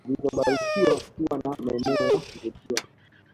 zilizobarikiwa kuwa na maeneo ya kuvutia